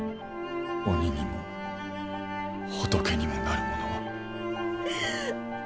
鬼にも仏にもなる者は。